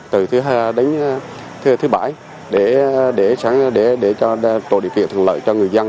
từ thứ hai đến thứ bảy để cho tổ địa kiện thường lợi cho người dân